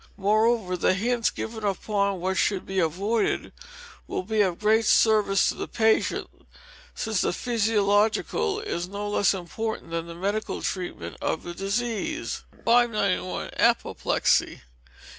Moreover, the hints given upon what should be AVOIDED will be of great service to the patient, since the physiological is no less important than the medical treatment of disease. 591. Apoplexy.